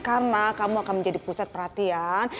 karena kamu akan menjadi pusat perhatian